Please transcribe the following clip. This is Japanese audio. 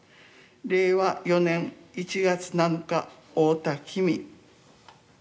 令和４年１月７日太田紀美。